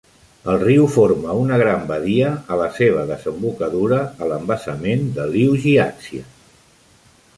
El riu forma una gran badia a la seva desembocadura a l'embassament de Liujiaxia.